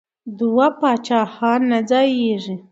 دوه پاچاهان نه ځاییږي.